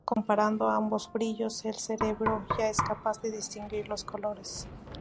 Comparando ambos brillos el cerebro ya es capaz de distinguir los colores.